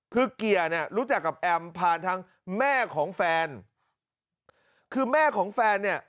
คือเกียร์เนี่ยรู้จักกับแอมผ่านทางแม่ของแฟนคือแม่ของแฟนเนี่ย